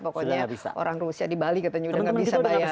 pokoknya orang rusia di bali katanya udah nggak bisa bayar